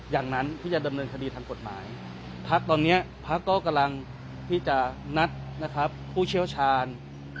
อย่างนั้นที่จะดำเนินคดีทางกฎหมายพักตอนนี้พักก็กำลังที่จะนัดนะครับผู้เชี่ยวชาญ